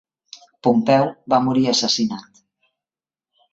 Pompeu va morir assassinat.